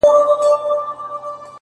• اورنګ زېب,